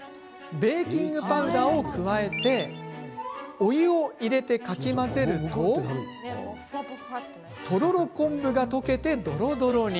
ベーキングパウダーを加えてお湯を入れて、かき混ぜるととろろ昆布が溶けて、どろどろに。